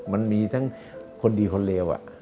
มันมีทั้งคนดีคนเลว